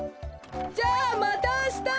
じゃあまたあした！